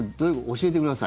教えてください。